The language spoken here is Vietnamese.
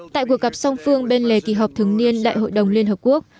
tại cuộc gặp song phương bên lề kỳ họp thường niên đại hội đồng liên hợp quốc